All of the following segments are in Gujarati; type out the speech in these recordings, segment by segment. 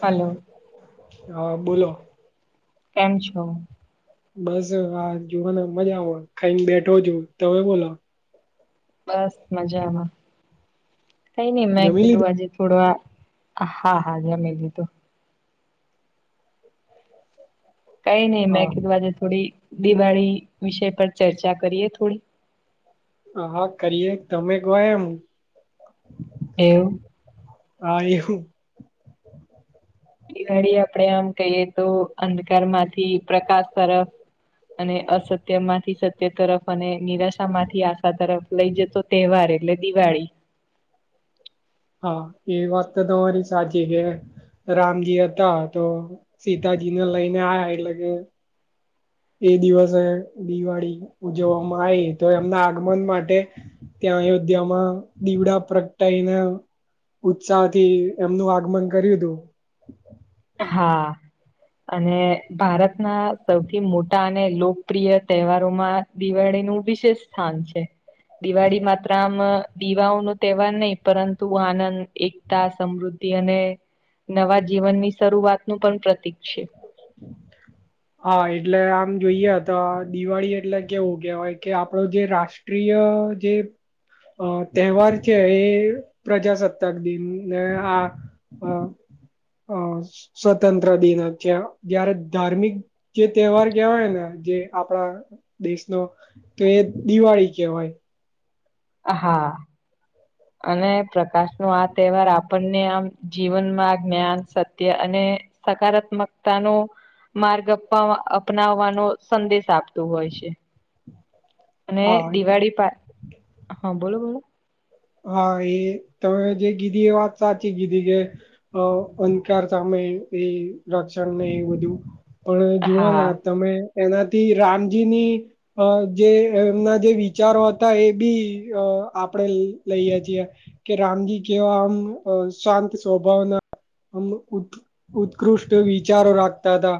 હલો. હા બોલો. કેમ છો? બસ હા જુવોને મજામાં ખાઈન બેઠો છું. તમેં બોલો? બસ મજામાં. કઈ ની મેં જમી કીધું લીધું આજે થોડું આ હા હા જમી લીધું. કઈ નહી મેં હા કીધું આજે થોડી દિવાળી વિષય પર ચર્ચા કરીએ થોડી? હા હા કરીએ. તમે કો એમ. એવું? હા એવું. દિવાળી આપડે આમ કહીએ તો અંધકાર માંથી પ્રકાશ તરફ અને અસત્ય માંથી સ ત્ય તરફ અને નિરાશા માંથી આશા તરફ લઈ જતો તેહવાર એટલે દિવાળી. હા એ વાત તો તમારી સાચી કે રામજી હતા તો સીતાજીને લઈને આયા એટલે કે એ દિવસે દિવાળી ઉજવવામાં આઈ, તો એમના આગમન માટે ત્યાં અયોધ્યા માં દીવડા પ્રગટાઈને ઉત્સાહથી એમનું આગમન કર્યું તું. હા. અને ભારતના સૌથી મોટા અને લોકપ્રિય તેહવારોમાં દિવાળી નું વિશેષ સ્થાન છે. દિવાળી માત્ર આમ દીવાઓ નો તેહવાર નહી પરંતુ આનંદ એકતા, સમૃદ્ધિ અને નવા જીવનની શરૂઆતનું પણ પ્રતીક છે. હા એટલે આમ જોઈએ તો દિવાળી એટલે કેવું કેહેવાય કે આપડો જે રાષ્ટ્ર ટ્રીય જે. અ તહેવાર છે એ પ્રજાસત્તાક દિન ને આ. અ અ સ્વતંત્ર દિન છે જયારે ધાર્મિક જે તહેવાર કહેવાય ને જે આપણા દેશનો તો એ દિવાળી કેહેવાય હા. અને પ્રકાશ ન આ તહેવાર આપણને આમ જીવનમાં જ્ઞાન સત્ય અને સકારાત્મકતા નો માર્ગ આપ અપનાવવાનો સંદેશ આપતો હોય છે. અને હા દિવાળી પા હા બોલો બોલો હા એ તમે જે કીધી એ વાત સાચી કીધી કે અ અંધકાર સામે એ રક્ષણને વધુ પણ જુઓને હા તમે એનાથી રામજીની અ જે એમના જે વિચારો હતા એ બી આપડે લઈએ છીએ કે રામજી કેવા આમ શાંત સ્વભાવના ઉત્કૃષ્ટ વિચારો રાખતા હતા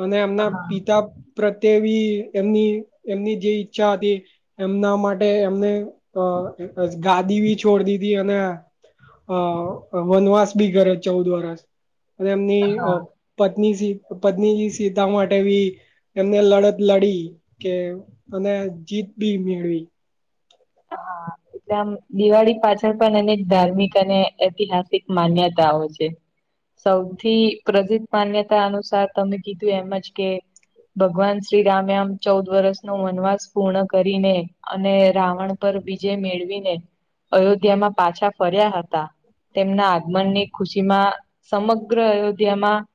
અને એમના હા પિતા પ્રત્યે બી એમની એમની જે ઈચ્છા હતી. એમના માટે એમને અ ગાદી બી છોડ દીધી અને અ વનવાસ બી કરે ચૌદ વર્ષ અને એમની હા પત્ની પત્ની સીતા માટે બી એમને લડત લડી કે અને જીત બી મેળવી હા એટલે આમ દિવાળી પાછળ પણ અનેક ધાર્મિક અને ઐતિહાસિક માન્યતાઓ છે. સૌથી પ્રસિદ્ધ માન્યતા અનુસાર તમે કીધું એમજ કે ભગવાન શ્રી રામે આમ ચૌદ વર્ષ નો વનવાસ પૂર્ણ કરીને અને રાવણ પર વિજય મેળવીને અયોધ્યામાં પાછા ફર્યા હતા તેમના આગમન ની ખુશીમાં સમગ્ર અયોધ્યામાં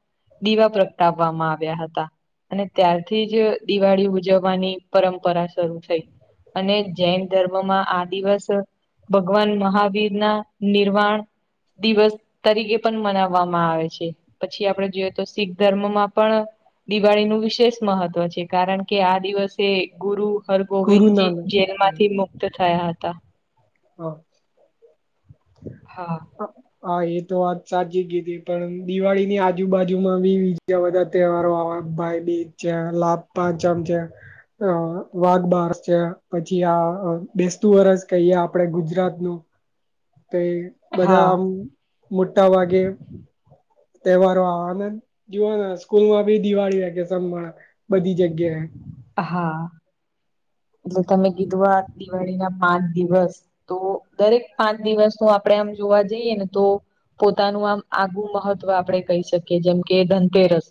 દીવા પ્રગટાવવામાં આવ્યા હતા અને ત્યારથી જ દિવાળી ઉજવવાની પરંપરા શરૂ થઈ અને જૈન ધર્મમાં આ દિવસ ભગવાન મહાવીર ના નિર્વાણ દિવસ તરીકે પણ મનાવવામાં આવે છે. પછી આપડ જોઈએ તો શીખ ધર્મમાં પણ દિવાળી નું વિશેષ મહત્વ છે. કારણ કે આ દિવસે ગુરુ ગુરુ હરગોવિંદજી નાનક જેલમાંથી મુક્ત થયા હતા. હા હા હા એ તો વાત સાચી ગી હતીી પણ દિવાળી ની આજુબાજુમાં બી બીજા બધા તહેવારો આવે ભાઈબીજ છે લાભ પાંચમ છે. અ વાઘ બાર છે. પછી આ બેસતું વરજ કહીએ આપડે ગુજરાતનું, કે બધા હા આમ મોટા ભગે તહેવારો આનંદ જીવા સ્કૂલ માં બી દિવાળી વેકેશન પણ બધી જગ્યાએ હા એટલે તમે કીધું આ દિવાળી ના પાંચ દિવસ તો દરેક પાંચ દિવસ નુ આપણેે આમ જોવા જઈએ તો પોતાનું આમ આગું મહત્વ આપડણે કહી શકીએ જેમ કે ધનતેરસ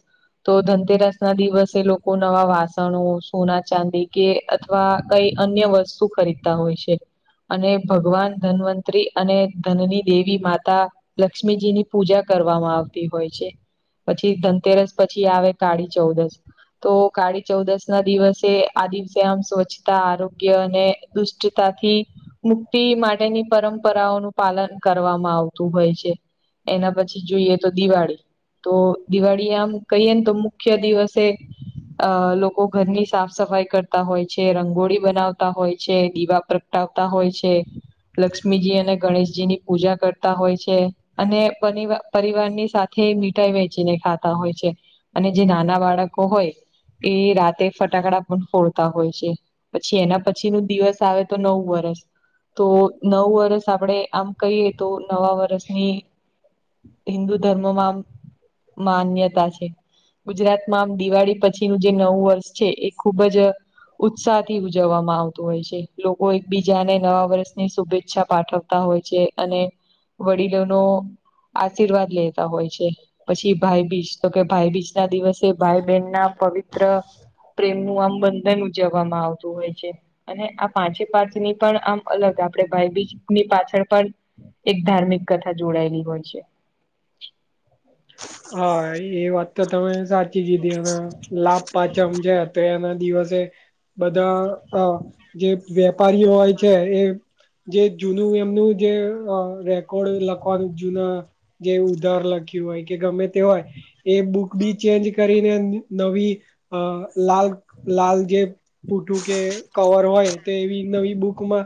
તો ધનતેરસ ના દિવસે લોકો નવા વાસ ણું સોના ચાંદી કે અથવા કઈ અન્ય વસ્તુ ખરીદતા હોય છે. અને ભગવાન ધન્વંતરી અને ધનની દેવી માતા લક્ષ્મીજીની પૂજા કરવામાં આવતી હોય છે. પછી ધનતેરસ પછી આવે કાળી ચૌદશ તો કાળી ચૌદશ ના દિવસે આ દિવસે આમ સ્વચ્છતા આરોગ્ય અને દુષ્ટતાથી મુક્તિ માટેની પરંપરાઓનું પાલન કરવામાં આવતું હોય છે. એના પછી જોઈએ તો દિવાળી. તો દિવાળી આમ કહીયે ને તો મુખ્ય દિવસે અ લોકો ઘરની સાફ સફાઈ કરતા હોય છે રંગોળી બનાવતા હોય છે દીવા પ્રગ ટાવતા હોય છે. લક્ષ્મીજી અને ગણેશજી ની પૂજા કરતા હોય છે. અને પરર પરિવારની સાથે મીઠાઈ વેચીને ખાતા હોય છે. અને જે નાના બાળકો હોય એ રાતે ફટાકડા પણ ફોડતા હોય છે. પછી એના પછી નું દિવસ આવે તો નવ વર્ષ તો નવ વર્ષ આપણેે આમ કહીએ તો નવા વરષની હિન્દુ ધર્મમાં આમ માન્યતા છે ગુજરાતમાં આમ દિવાળી પછી જે નવું વર્ષ છે એ ખુબ જ ઉત્સાહથી ઉજવવામાં આવ હો લોકો એકબીજાને નવા વર્ષની શુભેચ્છા પાઠવતા હોય છે અને વડીલો ન આશીર્વાદ લેતા હોય છે. પછી ભાઈબીજ તો કે ભાઈ બીજ ના દિવસે ભાઈ બહેન ના પવિત્ર પ્રેમ નું આમ બંધન ઉજવવામાં આવતું હોય છે. અને આ પાંચે પાંચ ની પણ આમ અલગ આપડે ભાઈબીજ ની પાછળ પણ એક ધાર્મિક કથા જોડાયેલી હોય છે. હા હા એ વાત તો તમે સાચી કીધી એ લાભ પાચમ છે તો એના દિવસે બધા જે વેપારીઓ હોય છે એ જે જૂનું એમનું જે રેકોર્ડ લખવાનું જૂના જે ઉધાર લખ્યું હોય કે ગમે તે હોય. એ બુક બી ચેન્જ કરીને નવી લાલ લાલ જે. પુંઠું કે કવર હોય તે એવી નવી બુક ઉપર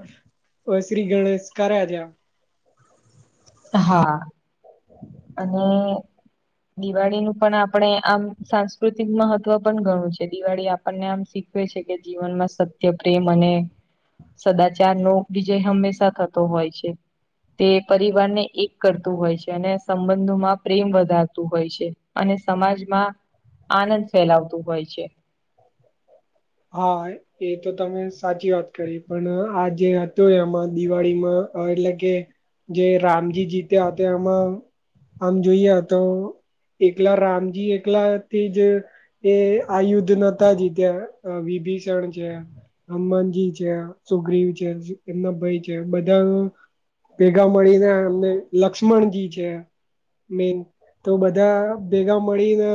શ્રી ગણેશ કર્યા તયા. હા અને દિવાળી નું પણ આપણેે આમ સાંસ્કૃતિક મહત્વ પણ ગણું છે. દિવાળી આપણને આમ, છે કે જીવનમાં સત્ય પ્રેમ અને સદાચાર નો વિજય હંમેશા થતો હોય છે તે પરિવારને એક કરતું હોય છ અને સંબંધોમાં પ્રેમ વધારતું હોય છે. અને સમાજમાં આનંદ ફેલાવતું હોય છે. હય. એ તો તમે સાચી વાત કરી પણ આ જે હત એમાં દિવાળીમાં એટલે કે જે રામજી જીત્યા હતા એમાં આમ જોઈએ તો, એકલા રામજી એકલા થી જ એ આ યુદ્ધ નતા જીત્યા વિભીસન છે. હનુમાનજી છે, સુગ્રીવ છે, એમના ભાઈ છે બધા. ભેગા મળીને એમને લક્ષ્મણજી છે. મેન તો બધા ભેગા મળીને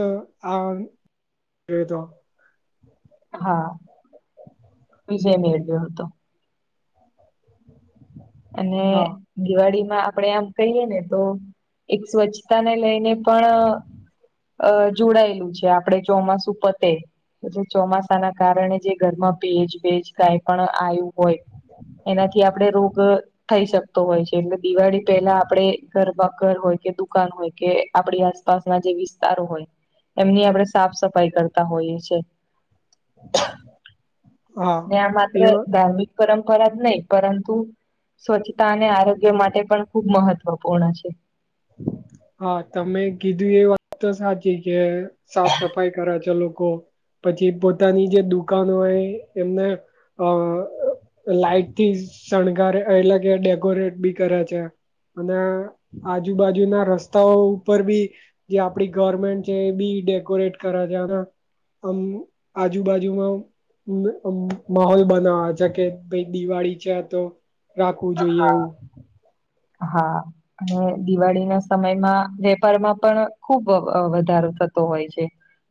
આ એ તો. હા. વિજય મેળયો હતો. અને હા દિવાળીમાં આપડણે આમ કહીએ ને તો એક સ્વચ્છતાને લઈને પણ અ જોડાયેલું છે, આપડે ચોમાસું પતે-' જે ચોમાસા ના કારણે જે ઘરમાં ભેજ ભેજ કઈ પણ આવયું હોય એનાથી આપણે રોગ થઈ શકતો હોય છે. એટલે દિવાળી પેલા આપડે ઘરબા ઘર હોય કે દુકાન હોય ક આપડી આસપાસના જે વિસ્તારો હોય એમની આપડે સાફ સફાઈ કરતા હોઈએ છે. હા અને આ માત્ર એવા ધાર્મિક પરંપરા જ નહી પરંતુ સ્વચ્છતા અને આરોગ્ય માટે પણ ખુબ મહત્વપૂર્ણ છે. હા, તમે કીધું એ વાત તો સાચી કે સાફ સફાઈ કરે છે લોકો. પછી પોતાની જે દુકાનો હોય એમને અહ લાઈટ થી શણગારે એટલે કે ડેકોરેટ બી કરે છે. અને આજુબાજુ ના રસ રસ્તાઓ ઉપર બી જે આપડી ગાર્મેન્ટ છે એ બી ડેકોરેટ કરા છે અને આમ આજુબાજુમાં અમ અમ્મ માહોલ બનાવા છે કે ભાઈ દિવાળી છે આ તો રાખવું જોઈએ હા એવું. હા. અને દિવાળી ના સમયમાં વેપારમાં પણ ખુબ વ-વધારો થતો હોય છે.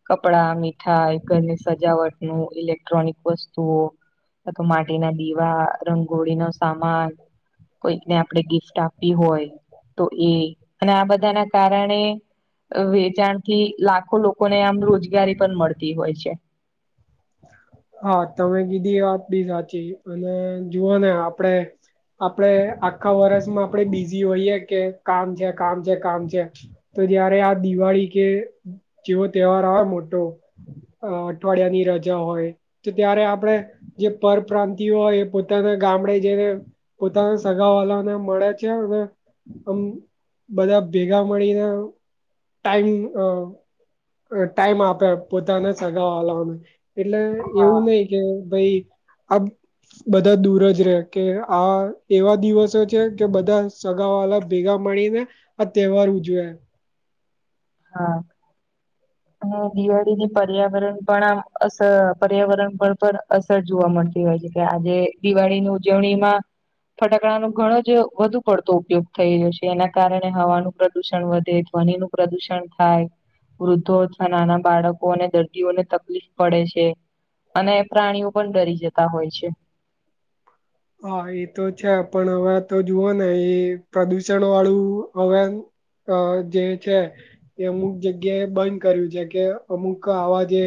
કપડા મીઠાઈ ઘર ની સજાવટ નું ઇલેક્ટ્રોનિક વસ્તુઓ ના તો માટીના દીવા રંગોળી નો સામાન કોઈકને આપડે ગિફ્ટ આપવી હોય તો એ અને આ બધા ના કારણે અહ વેચાણ થી લાખો લોકોને આમ રોજગારી પણ મળતી હોય છે. હા, તમે કીધી એ વાત બી સાચી અને જુઓ ને આપડે આપડે આખા વર્ષમાં આપણેે બીઝી હોઈએે કે કામ છે કામ છે કામ છે. તો જયારે આ દિવાળી કે જેવો તહેવાર આવે મોટો અહ અઠવાડિયા ની રજ જા હોય તો ત્યારે આપડે જે પરપ્રાંતિય હોય એ પોતાના ગામડે જઈને પોતાના સગા વાલાને મળે છે અને આમ બધા ભેગા મળીને ટાઈમ અહ અહ ટાઈમ આપે પોતાને સગા વાલાવાનું એટલે હા એવું નહીં કે ભઈ આપ બધા દૂર જ રે કે આ એવા દિવસો છે કે બધા સગા વાલા ભેગા માણી ને આ તહેવાર ઉજવે. હા. અને દિવાળીની પર્યાવરણ પણ આમ અશ પર્યાવરણ પર પણ અસ સર જોવા મળતી હોય છે કે આજે દિવાળીની ઉજવણીમાં ફટાકડા નું ઘણો જ વધુ પડતો ઉપયોગ થઈ રહ્યો છે એના કારણે હવાનું પ્રદુષણ વધે પાણીનું પ્રદુષ સ્તન થાય. વૃદ્ધો અથવા નાના બાળકો અને દર્દીઓને તકલીફ પડે છે. અને પ્રાણીઓ પણ ડરી જતા હોય છે. હા એ તો છે પણ હવે તો જુઓ ને એ પ્રદુષણ વાળું હવે અહ જે છે એ અમુક જગ્યાએ બંધ કર્યું છે કે અમુક આવા જે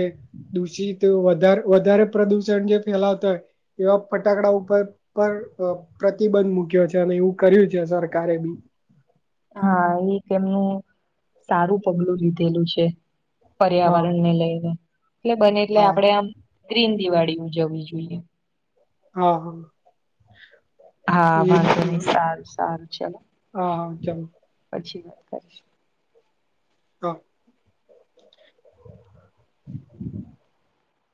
દૂષિતો વધાર વધારે પ્રદુષણ જે ફેલાવતા હોય એવા ફટાકડા ઉપર પર અહ પ્રતિબંધ મુૂક્યો છે અને એવું કર્યું છે સરકારે બી. હા, એક એમનું સારું પગલું લીધેલું છે. હા પર્યાવરણ ને લઈને એટલે બને એટલે હા આપડે આમ ગ્રીન દિવાળી ઉજવવી જોઈએ. હા હા હા એ હા નહીં સારું સારું ચલો. હા હા ચાલો. પછી વાત કરીશ. હા.